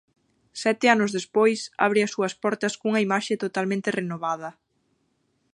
Sete anos despois, abre as súas portas cunha imaxe totalmente renovada.